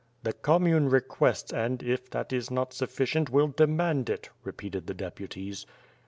"The commune requests and, if that is not sufficient, will demand it, ' repeated the deputies.